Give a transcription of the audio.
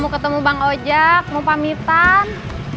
mau ketemu bang ojek mau pamitan